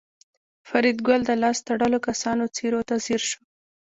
فریدګل د لاس تړلو کسانو څېرو ته ځیر شو